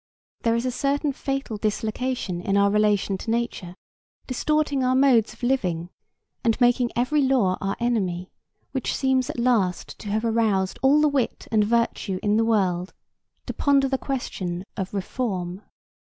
There is a certain fatal dislocation in our relation to nature, distorting our modes of living and making every law our enemy, which seems at last to have aroused all the wit and virtue in the world to ponder the question of Reform.